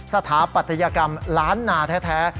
สถาปัตยกรรมล้านนาแท้